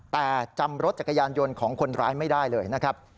แต่จำรถจักรยานยนต์ของคนร้ายไม่ได้เลยนะครับ